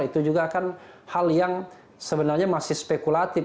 itu juga kan hal yang sebenarnya masih spekulatif